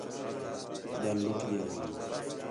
ٻِیال لُٹ ڳِیا ہیں